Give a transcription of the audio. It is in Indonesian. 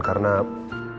karena saya tidak bisa mencari